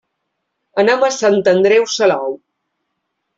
Anem a Sant Andreu Salou.